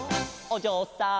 「おじょうさん」